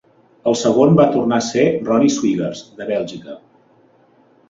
El segon va tornar a ser Ronny Swiggers, de Bèlgica.